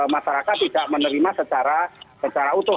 masyarakat tidak menerima secara utuh